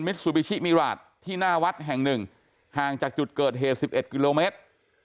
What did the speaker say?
ซูบิชิมิราชที่หน้าวัดแห่งหนึ่งห่างจากจุดเกิดเหตุ๑๑กิโลเมตร